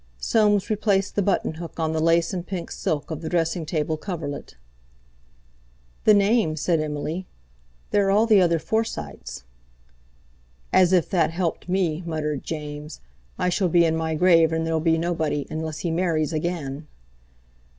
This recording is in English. Soames replaced the button hook on the lace and pink silk of the dressing table coverlet. "The name?" said Emily, "there are all the other Forsytes." "As if that helped me," muttered James. "I shall be in my grave, and there'll be nobody, unless he marries again."